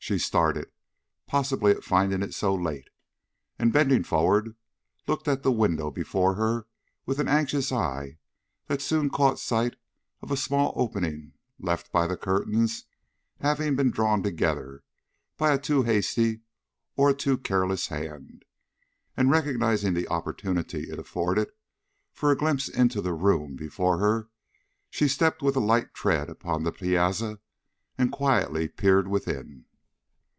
She started, possibly at finding it so late, and bending forward, looked at the windows before her with an anxious eye that soon caught sight of a small opening left by the curtains having been drawn together by a too hasty or a too careless hand, and recognizing the opportunity it afforded for a glimpse into the room before her, stepped with a light tread upon the piazza and quietly peered within.